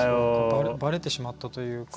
ばれてしまったというか。